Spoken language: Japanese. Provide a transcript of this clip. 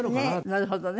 ねえなるほどね。